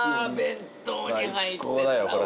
弁当に入ってたら。